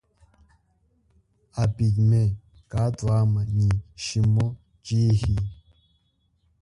A Pygmees kathwama nyi shimu chihi.